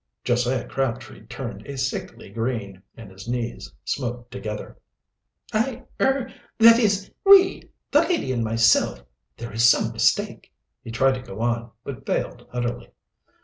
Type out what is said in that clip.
Josiah Crabtree turned a sickly green, and his knees smote together. "I er that is, we the lady and myself there is some mistake." He tried to go on, but failed utterly.